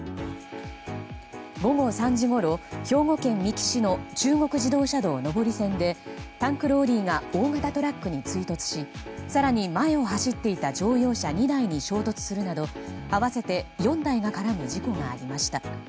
午後３時ごろ、兵庫県三木市の中国自動車道上り線でタンクローリーが大型トラックに追突し更に前を走っていた乗用車２台に衝突するなど合わせて４台が絡む事故がありました。